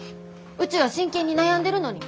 うちは真剣に悩んでるのに。